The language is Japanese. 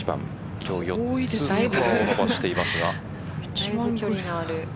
今日４つスコアを伸ばしていますが。